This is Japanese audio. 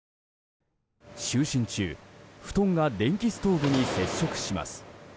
就寝中、布団が電気ストーブに接触します。